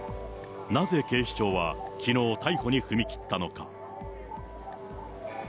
なぜ警視庁はきのう逮捕に踏み切ったのか。